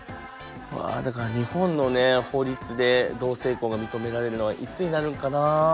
うわだから日本の法律で同性婚が認められるのはいつになるんかな。